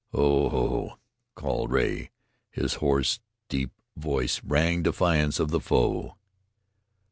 "Ho! Ho!" called Rea. His hoarse, deep voice rang defiance to the foe.